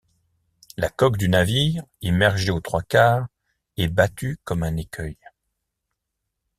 La coque du navire, immergée aux trois quarts, est battue comme un écueil.